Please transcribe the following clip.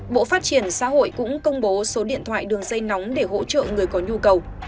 bộ phát triển xã hội cũng công bố số điện thoại đường dây nóng để hỗ trợ người có nhu cầu